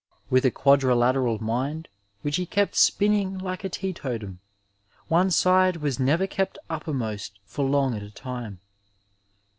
With a quadrilateral mind, which he kept spin ning like a teetotum, one side was never kept uppermost for long at a time.